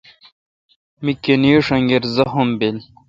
می کنگیݭ انگیر زخم بیل۔